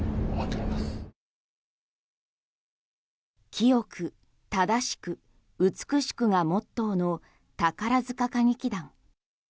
清く、正しく、美しくがモットーの宝塚歌劇団。